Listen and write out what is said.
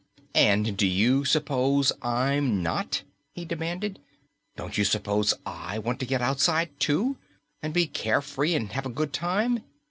"And do you suppose I'm not?" he demanded. "Don't you suppose I want to get outside, too, and be carefree and have a good time?